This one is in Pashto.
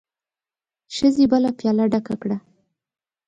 ښځې بله پياله ډکه کړه.